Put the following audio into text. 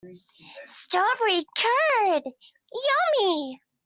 Strawberry curd, yummy!